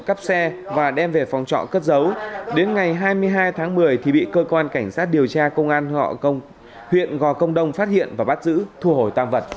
cảm ơn các bạn đã theo dõi và hẹn gặp lại